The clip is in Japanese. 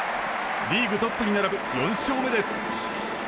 リーグトップに並ぶ４勝目です。